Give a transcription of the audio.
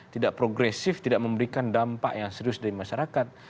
tidak progresif tidak memberikan dampak yang serius dari masyarakat